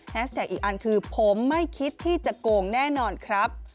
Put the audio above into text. แท็กอีกอันคือผมไม่คิดที่จะโกงแน่นอนครับ